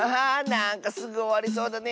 なんかすぐおわりそうだね